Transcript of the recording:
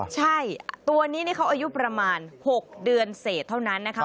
ใช่ตัวนี้นี่เขาอายุประมาณ๖เดือนเศษเท่านั้นนะคะ